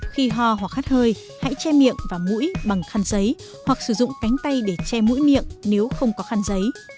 khi ho hoặc hắt hơi hãy che miệng và mũi bằng khăn giấy hoặc sử dụng cánh tay để che mũi miệng nếu không có khăn giấy